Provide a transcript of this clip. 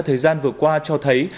thời gian vừa qua cho thấy